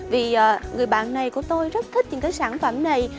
vì người bạn này của tôi rất thích những cái sản phẩm này